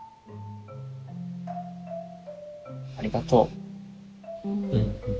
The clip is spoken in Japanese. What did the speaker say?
ありがとう。